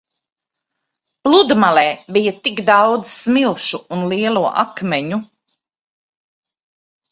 Pludmalē bija tik daudz smilšu un lielo akmeņu.